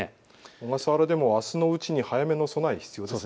小笠原でもあすのうちに早めの備えが必要ですね。